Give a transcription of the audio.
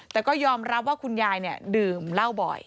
แต่ก็ยอมรับว่าคุณยายดื่มเหล้าบ่อย